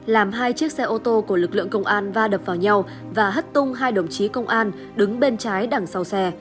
làm hai chiếc xe ô tô của lực lượng công an va đập vào nhau và hất tung hai đồng chí công an đứng bên trái đằng sau xe